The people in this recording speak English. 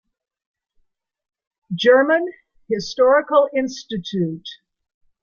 German Historical Institute.